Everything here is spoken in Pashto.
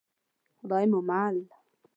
خدای مو مل.